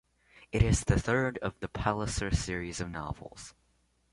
It is the third of the "Palliser" series of novels.